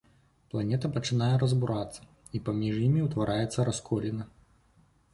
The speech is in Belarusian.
Планета пачынае разбурацца, і паміж імі ўтвараецца расколіна.